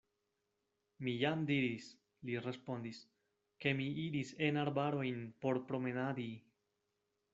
Mi jam diris, li respondis, ke mi iris en arbarojn por promenadi.